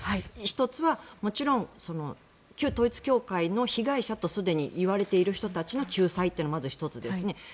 １つはもちろん旧統一教会の被害者とすでにいわれている人たちの救済というのがまず１つですね。